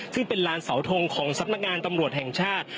ซึ่งเป็นลานเสาทงของสำนักงานตำรวจแห่งชาติ